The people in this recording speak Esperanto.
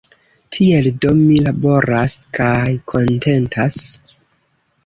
Tiel do mi laboras – kaj kontentas!